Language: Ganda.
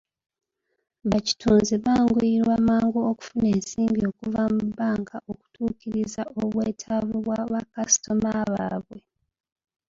Bakitunzi banguyirwa mangu okufuna ensimbi okuva mu bbanka okutuukiriza ebwetaavu bwa bakasitoma baabwe.